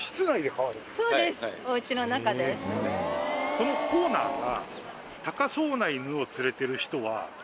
このコーナーが。